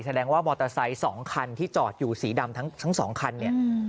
แสดงว่ามอเตอร์ไซค์๒คันที่จอดอยู่สีดำทั้งสองคันเนี่ย